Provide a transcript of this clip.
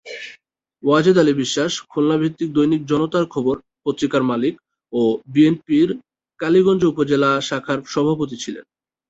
ওয়াজেদ আলী বিশ্বাস খুলনা ভিত্তিক দৈনিক জনতার খবর পত্রিকার মালিক ও বিএনপির কালীগঞ্জ উপজেলা শাখার সভাপতি ছিলেন।